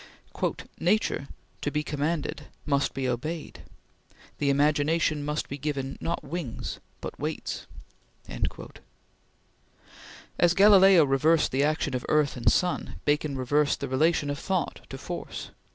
"Nature, to be commanded, must be obeyed." "The imagination must be given not wings but weights." As Galileo reversed the action of earth and sun, Bacon reversed the relation of thought to force.